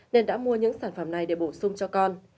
nên đã mua những sản phẩm này để bổ sung cho con